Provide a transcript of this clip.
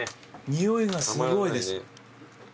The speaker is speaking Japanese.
匂いがすごいです。